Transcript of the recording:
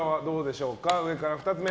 上から２つ目。